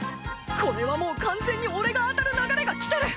これはもう完全に俺が当たる流れが来てる！